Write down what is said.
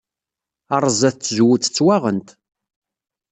Ṛṛeẓẓat n tzewwut ttwaɣent.